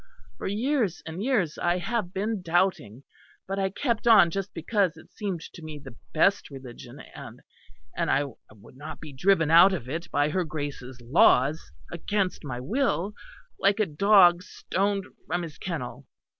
For years and years I have been doubting; but I kept on just because it seemed to me the best religion; and and I would not be driven out of it by her Grace's laws against my will, like a dog stoned from his kennel."